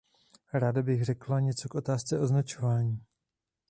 Ráda bych řekla něco k otázce označování.